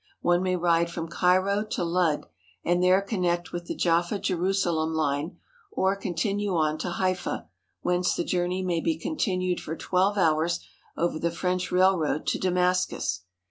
One may ride from Cairo to Ludd, and there connect with the Jaffa Jerusalem line, or continue on to Haifa, whence the jour ney may be continued for twelve hours over the French railroad to Damascus.